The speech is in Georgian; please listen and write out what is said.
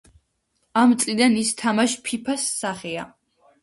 ამ წლიდან ის თამაშ ფიფას სახეა.